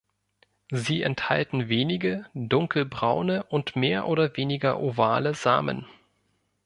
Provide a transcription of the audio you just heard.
Sie enthalten wenige, dunkelbraune und mehr oder weniger ovale Samen.